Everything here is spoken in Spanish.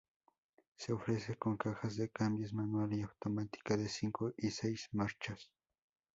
Se ofrece con cajas de cambios manual y automática de cinco y seis marchas.